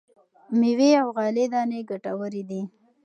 مېوې او غلې دانې ګټورې دي.